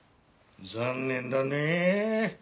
残念だねえ。